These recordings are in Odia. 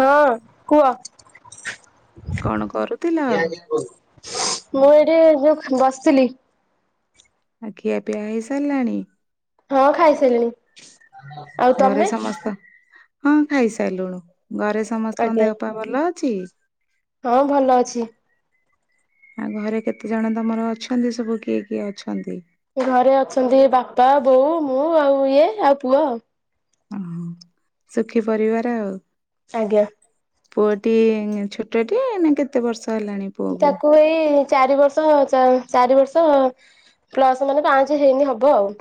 ହଁ କୁହ? କଣ କରୁଥିଲ? [unintelligible] ମୁଁ ଏଠି ଯୋଉ ବସିଥିଲି। ଆ ଖିଆ ପିଆ ହେଇ ସାରିଲାଣି? ହଁ ଖାଇସାଇଲିଣି। ଘରେ ସମସ୍ତ ହଁ ଖାଇସାରିଲୁଣୁ। ଘରେ ସମସ୍ତଙ୍କ ଆଜ୍ଞା ଦେହ ପା ଭଲ ଅଛି? ହଁ ଭଲ ଅଛି। ଆ ଘରେ କେତେ ଜଣ ତମର ଅଛନ୍ତି ସବୁ କିଏ କିଏ ଅଛନ୍ତି? ଘରେ ଅଛନ୍ତି ବାପା ବୋଉ ମୁଁ ଆଉ ଇଏ ଆଉ ପୁଅ। ଅ ହ ସୁଖୀ ପରିବାର ଆଉ। ଆଜ୍ଞା। ପୁଅଟି ଛୋଟଟି ଏ ନା କେତେ ବର୍ଷ ହେଲାଣି? ପୁଅକୁ? ତାକୁ ଏଇ ଚାରି ବର୍ଷ ଚାରି ବର୍ଷ ପ୍ଲସ ମାନେ ପାଞ୍ଚେ ହେଇନି ହବ ଆଉ।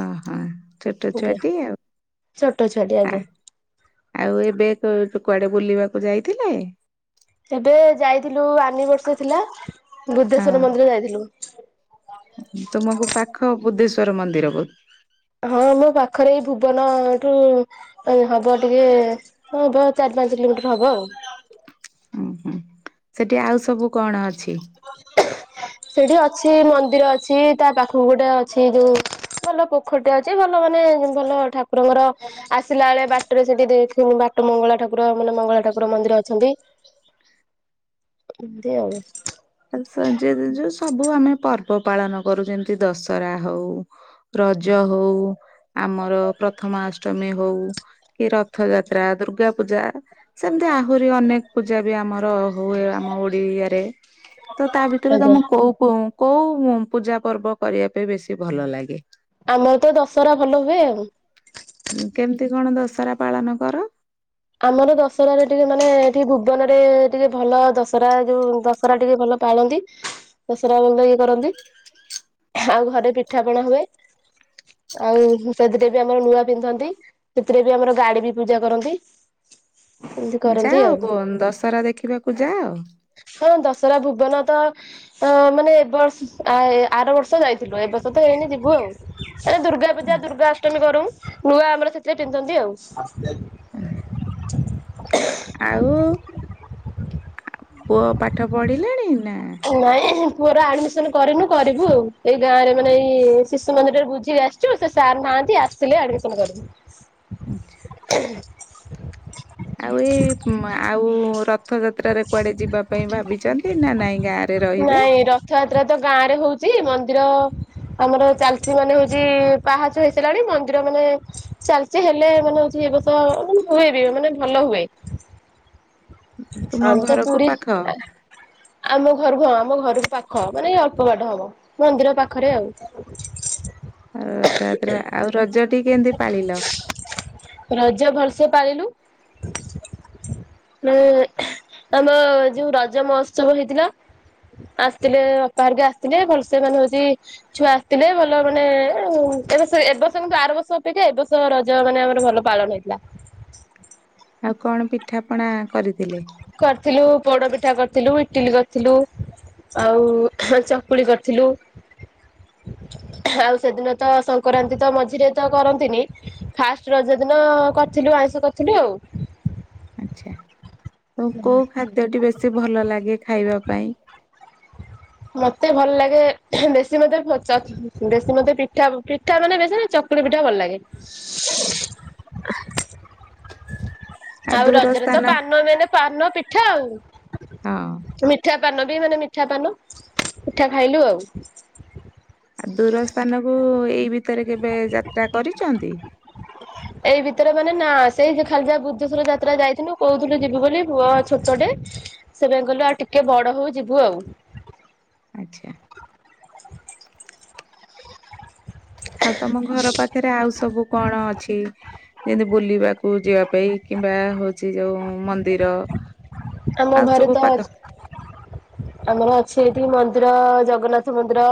ଅ, ହଁ ଛୋଟ ଆଜ୍ଞା ଛୁଆଟିଏ ଆଉ, ଛୋଟ ଛୁଆଟି ଆଃ। ଆଜ୍ଞା। ଆଉ, ଏବେ କୁ-କୁଆଡେ ବୁଲିବାକୁ ଯାଇଥିଲେ? ଏବେ ଯାଇଥିଲୁ ଆନିବର୍ଷ ଥିଲା, ହଁ ବୁଦ୍ଧେଶ୍ଵର ମନ୍ଦିର ଯାଇଥିଲୁ। ତୁମକୁ ପାଖ ବୁଦ୍ଧେଶ୍ଵର ମନ୍ଦିର ବହୁତ୍! ହଁ, ମୋ ପାଖରେ ଏଇ ଭୁବନ-ଅ ଠୁ ଏଇ ହବ ଟିକେ, ହବ ଚାରି ପାଞ୍ଚ କିଲୋମିଟର ହବ ଆଉ। ଉଁ ହୁଁ। ସେଠି ଆଉ ସବୁ କଣ ଅଛି? ସେଠି ଅଛି ମନ୍ଦିର ଅଛି, ତା ପାଖକୁ ଗୋଟେ ଅଛି ଯୋଉ ଭଲ ପୋଖରୀଟିଏ ଅଛି। ଭଲ ମାନେ ଭଲ ଠାକୁରଙ୍କର ଆସିଲା ଏଳେ ବାଟରେ ସେଠି ଦେଖିନୁ ବାଟ ମଙ୍ଗଳା ଠାକୁର, ମାନେ ମଙ୍ଗଳା ଠାକୁର ମନ୍ଦିର ଅଛନ୍ତି। ଏମତି ଆଉ। ଆଉ ସଞ୍ଜେଇ ଦେଇଚୁ ସବ୍ ବୁ ଆମେ ପର୍ବ ପାଳନ କରୁ, ଯେମିତି ଦଶହରା ହଉ। ରଜ ହଉ, ଆମର ପ୍ରଥମାଷ୍ଟମୀ ହଉ, କି ରଥ୍ ଥଯାତ୍ରା, ଦୁର୍ଗା ପୂଜା, ସେମତି ଆହୁରି ଅନେକ ପୂଜା ବି ଆମର ହୁଏ ଆମ ଓଡ଼ିଆରେ। ତ, ତା ଭିତରୁ ଆଜ୍ଞା ତମକୁ କୋଉ କୋଉଁ କୋଉଁ ପୂଜା ପର୍ବ କରିବା ପାଇଁ ବେଶୀ ଭଲ ଲାଗେ? ଆମର ତ ଦଶହରା ଭଲ ହୁଏ ଆଉଁ। କେମିତି କଣ ଦଶହରା ପାଳନ କର? ଆମର ଦଶହରାରେ ଟିକେ ମାନେ ଏଠି ଭୁବନରେ ଟିକେ ଭଲ ଦଶହରା, ଯୋଉଁ ଦଶ ହରା ଟିକେ ଭଲ ପାଳନ୍ତି। ଦଶରା ଭଲ ଇଏ କରନ୍ତି। ଆହାଁ, ଘରେ ପିଠାପଣା ହୁଏ। ଆଉ, ସେଥିରେ ବି ଆମର ନୂଆ ପିନ୍ଧନ୍ତି। ସେଥିରେ ବି ଆମର ଗାଡି ବି ପୂଜା କରନ୍ତି। ଏମିତି କରନ୍ତି ଯାଅ ଆଉ। ବନ୍ ଦଶହରା ଦେଖିବାକୁ ଯାଅ? ହଁ, ଦଶହରା ଭୁବନ ତ! ତ, ମାନେ ଏ ବର୍ଷ ଆର ବର୍ଷ ଯାଇଥିଲୁ। ଏ ବର୍ଷ ତ ହେଇନି ଯିବୁ ଆଉ। ଏ ଦୁର୍ଗା ପୂଜା ଦୁର୍ଗା ଅଷ୍ଟମୀ କରୁଁ। ନୂଆ ଆମର ସେଥିରେ ପିନ୍ଧନ୍ତି ଆଉ। ଉ ହୁଁ। ଆଉ-ଉ, ପୁଅ ପାଠ ପଢିଲେଣି ନା? ନାଇଁ, ପୁଅର ଆଡ୍ ମିସନ୍ କରିନୁ। କରିବୁ ଆଉ। ଏଇ ଗାଁ ରେ ମାନେ ଏଇ ଶିଶୁ ମନ୍ଦିରରେ ବୁଝିକି ଆସି ଚୁ, ସେ ସାର୍ ନାହାନ୍ତି। ଆସିଲେ ଆଡ୍ମିଶନ୍ କରିବୁ। ଆଚ୍ଛା। [inaudible] ଆଉ, ଏଇ ଉମ୍ ଆଉ, ରଥ ଯାତ୍ରାରେ କୁଆଡେ ଯିବା ପାଇଁ ଭାବିଛନ୍ତି ନା ନାଇଁ ଗାଁରେ? ନାଇଁ, ରଥଯାତ୍ରା ତ ଗାଁ ରେ ହଉଛି। ମନ୍ଦିର ଆମର ଚାଲଛି ମାନେ ହଉଛି, ପାହାଚ ହେଇସାଇଲାଣି ମନ୍ଦିର ମାନେ ଚାଲିଚି ହେଲେ ମାନେ ହଉଛି, ଏବେତ ମାନେ ହୁଏ ବି, ମାନେ ଭଲ ହୁଏ। ତୁମ ଆମ୍ ତ ଘରକୁ ପୁରୀ ପାଖ ଆଁ ଆମ ଘର ହଁ, ଆମ ଘରକୁ ପାଖ। ମାନେ ଅଳ୍ପ ବାଟ ହବ। ମନ୍ଦିର ପାଖରେ ଆଉ। ଆଉ ରଥଯାତ୍ରା, ଆଉ ରଜଟି କେମତି ପାଳିଲ? ରଜ ଭଲ୍ ସେ ପାଳିଲୁ। ନେ ଆମ ଯୋଉ ରଜ ମହୋତ୍ସବ ହେଇଥିଲା। ଆସିଥିଲେ ଅପାହେରିକା ଆସିଥିଲେ। ଭଲ୍ ସେ ମାନେ ହଉଛି ଛୁଆ ଆସିଥିଲେ। ଭଲ ମାନେ ଏଁ-ଏ ଏବଷ, ଏ ବର୍ଷ କିନ୍ତୁ ଆର ବର୍ଷ ଅପେକ୍ଷା, ଏବ ବର୍ଷ ରଜ ମାନେ ଆମର ଭଲ ପାଳନ ହେଇଥିଲା। ଆଉ କଣ ପିଠାପଣା କରିଥିଲେ? କରିଥିଲୁ ପୋଡ ପିଠା କରିଥିଲୁ ଇଟିଲି କରିଥିଲୁ। ଆଉ ଚକୁଳି କରିଥିଲୁ। ଆଉ ସେଦିନ ତ ସଂକ୍ରାନ୍ତି ତ ମଝିରେ ତ କରନ୍ତିନି ଫାଷ୍ଟ ରଜ ଦିନ କରିଥିଲୁ ଆଇଁଷ କରିଥିଲୁ ଆଉ। ଆଚ୍ଛା, ତ କୋଉ ଖାଦ୍ୟ ଟି ବେଶୀ ଭଲ ଲାଗେ ଖାଇବା ପାଇଁ? ମତେ ଭଲ ଲାଗେ ବେଶୀ ମତେ ଚ ବେଶୀ ମତେ ପିଠା ପିଠା ମାନେ ବେଶୀ ଚ କୁଳି ପିଠା ଭଲ ଲାଗେ। [inaudible] ଆଉ ଦୂର ରଜରେ ସ୍ଥାନ ତ ପାନ ମେନ୍ ପାନ ପିଠା ଆଉ। ହଁ। ମିଠା ପାନ ବି ମାନେ ମିଠା ପାନ ପିଠା ଖାଇଲୁ ଆଉ। ଆଉ ଦୂର ସ୍ଥାନକୁ ଏଇ ଭିତରେ କେବେ ଯାତ୍ରା କରିଚନ୍ତି? ଏଇ ଭିତରେ ମାନେ ନା ସେଇ ଯେ ଖାଲି ଯା ବୁଦ୍ଧେଶ୍ୱର ଯାତ୍ରା ଯାଇଥିନୁ କହୁଥିଲୁ ଯିବୁ ବୋଲି ପୁଅ ଛୋଟଟେ ସେ ପାଇଁ କହିଲୁ ଆଉ ଟିକେ ବଡ଼ ହଉ ଯିବୁ ଆଉ। ଆଚ୍ଛା। ଆଉ ତମ ଘର ପାଖରେ ଆଉ ସବୁ କଣ ଅଛି? ଯେମିତି ବୁଲିବାକୁ ଯିବା ପାଇଁ କିମ୍ବା ହଉଛି ଯୋଉ ମନ୍ଦିର। ଆମ ଆଉ ଘରେ ସବୁ ତ ପାଖ ଅ ଆମର ଅଛି ଏଠି ମନ୍ଦିର ଜଗନ୍ନାଥ ମନ୍ଦିର।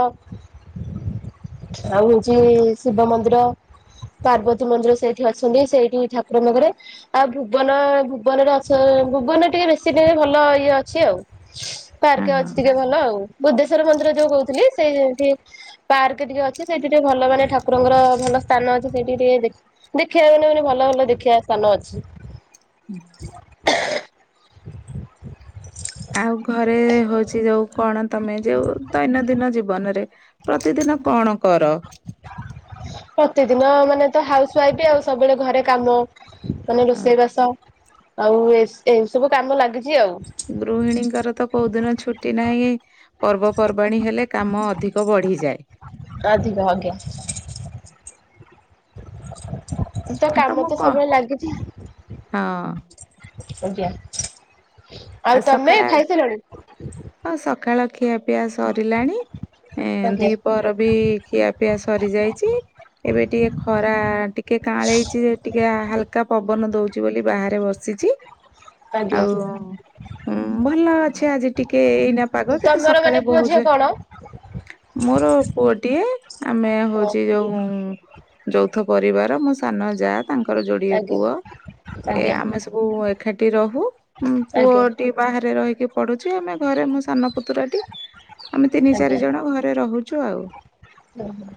ଆଉ ହଉଛି ଶିବ ମନ୍ଦିର। ପାର୍ବତୀ ମନ୍ଦିର ସେଇଠି ଅଛନ୍ତି ସେଇଠି ଠାକୁରଙ୍କ ପାଖରେ। ଆଉ ଭୁବନ ଭୁବନରେ ଅଛ ଭୁବନରେ ଟିକେ ବେଶୀ ଦିନି ଭଲ ଇଏ ଅଛି ଆଉ। ପାର୍କ ହଁ ଅଛି ହଁ। ଟିକେ ଭଲ ଆଉ। ବୁଦ୍ଧେଶ୍ଵର ମନ୍ଦିର ଯୋଉ କହୁଥିଲି ସେଇଠି ପାର୍କ ଟିକେ ଅ ସିଏ ସେଇଟି ଟିକେ ଭଲ ମାନେ ଠାକୁରଙ୍କର ଭଲ ସ୍ଥାନ ଅଛି ସେଇଟି ଟିକେ ଦେ ଦେଖିବାକୁ ମାନେ ଭଲ ଭଲ ଦେଖିବା ସ୍ଥାନ ଅଛି। ହୁଁ। ଆଉ ଘରେ ହଉଛି ଯୋଉ କଣ ତମେ ଯୋଉ ଦୈନନ୍ଦିନ ଜୀବନରେ ପ୍ରତିଦିନ କଣ କର? ପ୍ରତିଦିନ ମାନେ ତ ହାଉସ ୱାଇଫ ବି ଆଉ ସବୁବେଳେ ଘରେ କାମ ମାନେ ହଁ ରୋଷେଇ ବାସ ଆଉ ଏ ଏଇ ସବୁ କାମ ଲାଗିଛି ଆଉ। ଗୃହିଣୀଙ୍କର ତ କୋଉ ଦିନ ଛୁଟି ନାହିଁ? ପର୍ବପର୍ବାଣୀ ହେଲେ କାମ ଅଧିକ ବଢିଯାଏ। ଅଧିକ ଆଜ୍ଞା। ତ କାମ ତମକୁ ତ କଣ ସବୁବେଳେ ଲାଗିଛି। ହଁ। ଆଜ୍ଞା। ଆଉ ତମେ ସକାଳେ ଆ ଖାଇସାରିଲଣି? ହଁ ସକାଳ ଖିଆ ପିଆ ସରିଲାଣି। ଏଁ ଆଜ୍ଞା ଦି ପହର ବି ଖିଆ ପିଆ ସରି ଯାଇଛି। ଏବେ ଟିକେ ଖରା ଟିକେ କାଁଳେଇଛି ଯେ ଟିକେ ହାଲକା ପବନ ଦଉଚି ବୋଲି ବାହାରେ ବସି ସିଚି ଆଜ୍ଞା ଆଉ ହୁଁ ଭଲ ଅଛି ଆଜି ଟିକେ ଏଇନା ପାଗ କିତୁ ତମର ମାନେ ସକାଳେ ପୁଅ ବହୁ ଝିଅ ଜୋରେ କଣ? ମୋର ପୁଅଟିଏ ଆମେ ଓ ହଉଛି ଯୋଉଁ ଯୌଥ ପରିବାର ମୋ ସାନ ଜା ତାଙ୍କର ଯୋଡିଏ ଆଜ୍ଞା ପୁଅ, ଏ ଆଜ୍ଞା ଆମେ ସବୁ ଏକାଠି ରହୁ ଉଁ ପୁଅ ଆଜ୍ଞା କିଏ ବାହାରେ ରହିକି ପଡୁଛି ଆମେ ଘରେ ମୁଁ ସାନ ପୁତୁରା ଟି ଆମେ ତିନି ଚାରି ଜଣ ଘରେ ରହୁଛୁ ଆଉ ଓହୋ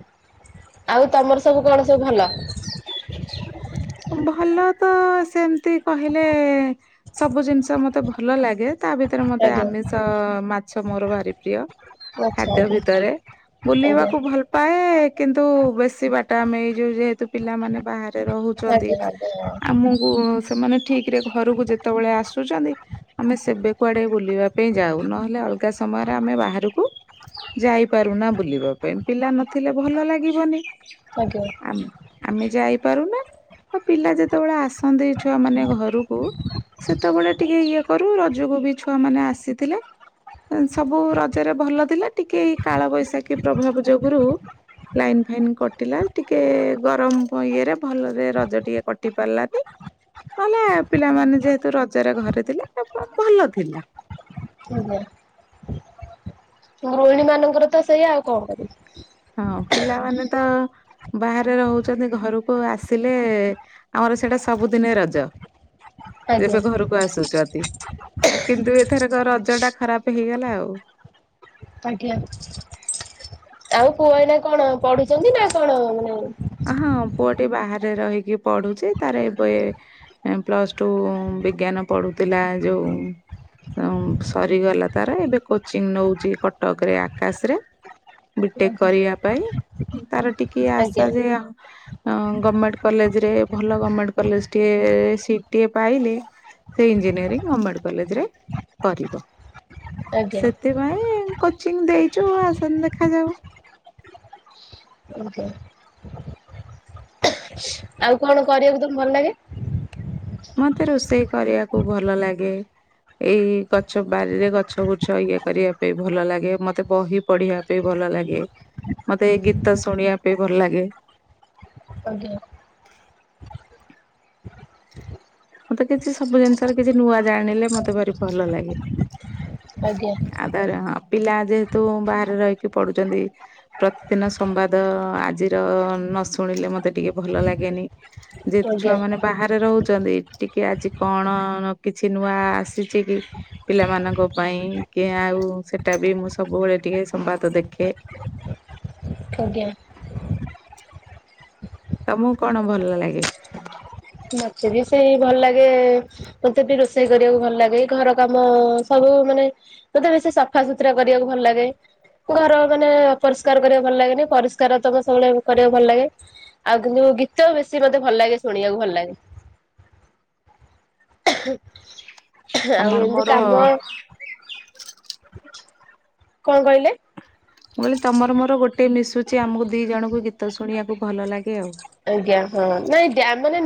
ଆଉ ତମର ସବୁ କଣ ସବୁ ଭଲ ହ ଭଲ ତ ସେମତି କହିଲେ ସବୁ ଜିନିଷ ମତେ ଭଲ ଲାଗେ ତା ଭିତରେ ମତେ ଆଜ୍ଞା ଆମିଷ ମାଛ ମୋର ଭାରି ପ୍ରିୟ ଆଚ୍ଛା ଆଜ୍ଞା ଖାଦ୍ୟ ଆଜ୍ଞା। ଭିତରେ ବୁଲିବାକୁ ଭଲ ପାଏ କିନ୍ତୁ ବେଶୀ ବାଟ ଆମେଇଯାଉ ଯେହେତୁ ପିଲାମାନେ ବାହାରେ ଚନ୍ତି ଆଜ୍ଞା ଆଜ୍ଞା ଆମକୁ ସେମାନେ ଠିକ ରେ ଘରକୁ ଯେତେବେଳେ ଆସୁଛନ୍ତି। ଆମେ ସେବେ କୁଆଡ଼େ ବୁଲିବା ପାଇଁ ଯାଉ ନହେଲେ ଅଲଗା ସମୟରେ ଆମେ ବାହାରକୁ ଯାଇପାରୁନା ବୁଲିବା ପିଲା ନଥିଲେ ଭଲ ଲାଗିବନି ଆଜ୍ଞା ଆମ୍ ଆମେ ଯାଇପାରୁନା ଆଉ ପିଲା ଯେତେବେଳେ ଆସନ୍ତି ଛୁଆ ମାନେ ଘରକୁ ସେତେବେଳେ ଟିକେ ଇଏ କରୁ ରଜକୁ ବି ଛୁଆ ମାନେ ଆସିଥିଲେ ସବୁ ରଜରେ ଭଲ ଥିଲା ଟିକେ କାଳବୈଶାଖୀ ପ୍ରଭାବ ଯୋଗୁରୁ ଲାଇନ ଫାଇନ୍ କଟିଲା ଟିକେ ଗରମ ଇଏରେ ଭଲରେ ର ଜ ଟିକେ କଟି ପାରିଲାନି ନହଲେ ପିଲାମାନେ ଯେହେତୁ ରଜରେ ଘରେ ଥିଲେ [unintelligible] ଭଲ ଥିଲା ହୁଁ [unintelligible] ଗୃହିଣୀ ମାନଙ୍କର ତ ସେଇଆ ଆଉ କଣ କରିବି ହଁ ପିଲାମାନେ ତ ବାହାରେ ରହୁଛନ୍ତି ଘରକୁ ଆସିଲେ ଆମର ସେଇଟା ସବୁଦିନେ ରଜ ଆଜ୍ଞା ଯେବେ ଘରକୁ ଆସୁଛନ୍ତି ଆଉ କିନ୍ତୁ ଏଥରକ ରଜ ଟା ଖରାପ ହେଇଗଲା ଆଉ ଆଜ୍ଞା ଆଉ ପୁଅ ଏଇନା କଣ ପଢୁଛନ୍ତି ନା କଣ ମାନେ ହଁ ପୁଅଟି ବାହାରେ ରହିକି ପଢୁଛି ତାର ଏବେ ପ୍ଲସ ଟୁ ବିଜ୍ଞାନ ପଢୁଥିଲା ଯୋଉ ଉ ସରିଗଲା ତାର ଏବେ କୋଚିଂ ନଉଛି କଟକ ରେ ଆକାଶ ରେ ବିଟେକ୍ ଆଜ୍ଞା କରିବା ପାଇଁ ତାର ଟିକେ ଆଶା ଆଜ୍ଞା ଯେ ଅ -ଗଭର୍ଣମେଣ୍ଟ କଲେଜରେ ଭଲ ଗଭର୍ଣମେଣ୍ଟ କଲେଜଟିଏ ସିଟିଏ ପାଇଲେ ସେଇ ଇଞ୍ଜିନିୟରିଂ ଗମେଣ୍ଟ କଲେଜ ରେ କରିବ ଆଜ୍ଞା ସେଥିପାଇଁ କୋଚିଂ ଦେଇଛୁ ଆସନ୍ତୁ ଦେଖାଯାଉ ଆଜ୍ଞ ଆଉ କଣ କରିବାକୁ ତମକୁ ଭଲ ଲାଗେ? ମତେ ରୋଷେଇ କରିବାକୁ ଭଲ ଲାଗେ। ଏଇ ଗଛ ବାରିରେ ଗଛ ବୁଛ ଇଏ କରିବା ପାଇଁ ଭଲ ଲାଗେ ମତେ ବହି ପଢିବା ପାଇ ଭଲ ଲାଗେ ମତେ ଏଇ ଗୀତ ଶୁଣିବା ପାଇଁ ଭଲ ଲାଗେ। ଆଜ୍ଞା ମତେ କିଛି ସବୁ ଜିନିଷରେ କିଛି ନୂଆ ଜାଣିଲେ ମତେ ଭାରି ଭଲ ଲାଗେ। ଆଜ୍ଞା ଆ ତାର ହଁ ପିଲା ଯେହେତୁ ବାହାରେ ରହିକି ପଢୁଛନ୍ତି। ପ୍ରତିଦିନ ସମ୍ବାଦ ଆଜିର ନ ଶୁଣିଲେ ମତେ ଟିକେ ଭଲ ଲାଗେନି ଯେହେତୁ ଛୁଆ ଆଜ୍ଞା ମାନେ ବାହାରେ ରହୁଛନ୍ତି। ଟିକେ ଆଜି କଣ କିଛି ନୂଆ ଆସିଛି କି। ପିଲାମାନଙ୍କ ପାଇଁ କି ଆଉ ସେଟା ବି ମୁଁ ସବୁବେଳେ ଟିକେ ସମ୍ବାଦ ଦେଖେ। ଆଜ୍ଞା। ତମକୁ କଣ ଭଲ ଲାଗେ। ମୋତେ ବି ସେଇ ଭଲ ଲାଗେ। ମତେ ବି ରୋଷେଇ କରିବାକୁ ଭଲ ଲାଗେ ଘର କାମ ସବୁ ମାନେ। ମୋତେ ବେଶୀ ସଫାସୁତୁରା କରିବାକୁ ଭଲ ଲାଗେ। ଘର ମାନେ ଅପରିଷ୍କାର କରିବାକୁ ଭଲ ଲାଗେନି ପରିଷ୍କାର ଥବ ସବୁବେଳେ କରିବାକୁ ଭଲ ଲାଗେ। ଆଉ କିନ୍ତୁ ଗୀତ ବେଶି ମତେ ଭଲ ଲାଗେ ଶୁଣିବାକୁ ଭଲ। ଲାଗେ ଆଉ ତମର ଏମତି ମୋର କାମ। ମୁଁ କଁ କହିଲେ। ମୁଁ କହିଲି ତମର ମୋର ଗୋଟେ ମିଶୁଛି ଆମକୁ ଦି ଜଣଙ୍କୁ ଗୀତ ଶୁଣିବାକୁ ଭଲ ଲାଗେ ଆଉ। ଆଜ୍ଞା ହଁ ନାଇଁ ଡ଼୍ୟାନ ମାନେ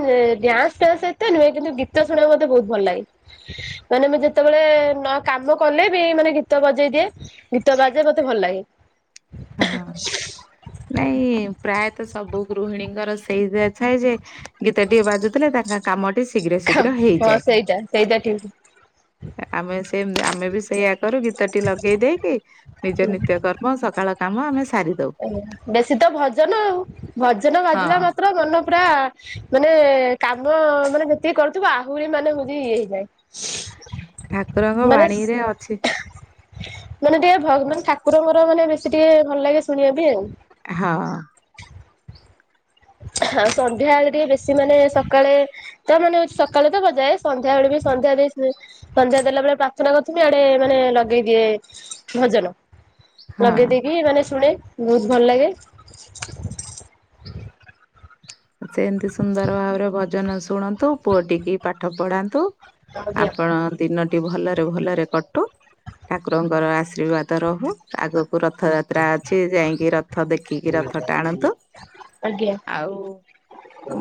ଡ୍ୟାନ୍ସ ଫ୍ୟାନ୍ସ ଏତେ ନୁହେଁ କିନ୍ତୁ ଗୀତ ଶୁଣିବାକୁ ମତେ ବହୁତ ଭଲ ଲାଗେ। ମାନେ ମୁଁ ଯେତେବେଳେ ନ କାମ କଲେ ବି ମାନେ ଗୀତ ବଜେଇଦିଏ। ଗୀତ ବାଜେ ମତେ ଭଲ ଲାଗେ। ହଁ। ନାଇଁ ପ୍ରାୟତଃ ସବୁ ଗୃହିଣୀଙ୍କର ସେଇ ଯା ଥାଏ ଯେ ଗୀତ ଟିକେ ବାଜୁଥିଲେ ତାଙ୍କ। କାମଟି ଶୀଘ୍ର ଶୀଘ୍ର ହଁ ହେଇଯାଏ। ସେଇଟା ସେଇଟା ଠିକ। ଆମେ ସେମ ଆମେ ବି ସେଇଆ କରୁ ଗୀତଟି ଲଗେଇ ଦେଇକି ନିଜ ନିତ୍ୟ କର ର୍ମ ଏବଂ ସକାଳ କାମ ଆମେ ସାରି। ହଁ ବେଶୀ ତ ଭଜନ ଆଉ ଭଜନ ହଁ। ବାଜିଲା ମାତ୍ରେ ମନ ପୁରା। ମାନେ କାମ ମାନେ ଯେତିକି କରିଥିବ ଆହୁରି ମାନେ ହଉଛି ଇଏ ହେଇ ଯାଏ। ଠାକୁରଙ୍କ ବାଣୀରେ ଅଛି। ମାନେ ଟିକେ ଭଗ୍ ମାନେ ଠାକୁରଙ୍କର ମାନେ ବେଶୀ ଟିକେ ଭଲ ଲାଗେ ଶୁଣିବା ପାଇଁ ଆଉ। ହଁ। ସନ୍ଧ୍ୟାବେଳେ ଟିକେ ବେଶୀ ମାନେ ସକାଳେ। ତ ମାନେ ସକାଳେ ତ ବଜାଏ ସନ୍ଧ୍ୟା ବେଳେ ବି ସନ୍ଧ୍ୟା ଦେଇସାରି। ସନ୍ଧ୍ୟା ଦେଲା ବେଳେ ପ୍ରାର୍ଥନା କରୁଥମି। ଆଡେ ମାନେ ଲଗେଇ ଦିଏ ଭଜନ। ହଁ। ଲଗେଇ ଦେଇକି ମାନେ ଶୁଣେ ବହୁତ ଭଲ ଲାଗେ। ସେମିତି ସୁନ୍ଦର ଭାବରେ ଭଜନ ଶୁଣନ୍ତୁ ପୁଅ ଟିକି ପାଠ ପଢାନ୍ତୁ। ଆଜ୍ଞା ଆପଣଙ୍କ ଦିନଟି ଭଲରେ ଭଲରେ କଟୁ। ଠାକୁରଙ୍କର ଆଶୀର୍ବାଦ। ରହୁ ଆଗକୁ ରଥଯାତ୍ରା ଅଛି ଯାଇଁକି ରଥ ଦେଖିକି ରଥ ଟାଣନ୍ତୁ। ଆଜ୍ଞା। ଆଉ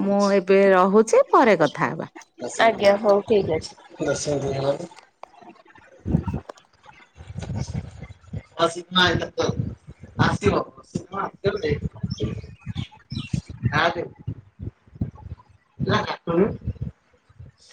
ମୁଁ ଏବେ ରହୁଛି ପରେ କଥା ହବା। ଆଜ୍ଞା ହଉ ଠିକ୍ ଅଛି। ହଁ ସୀମା ଆଇଲେ ତ ଆସିବ ସୀମା ଆସିବ ଯେ। କାଟେ। ତୁ ବା କାଟୁନୁ।